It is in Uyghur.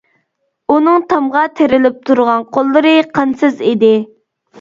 ئۇنىڭ تامغا تىرىلىپ تۇرغان قوللىرى قانسىز ئىدى.